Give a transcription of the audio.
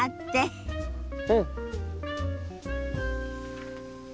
うん！